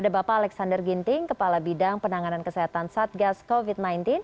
ada bapak alexander ginting kepala bidang penanganan kesehatan satgas covid sembilan belas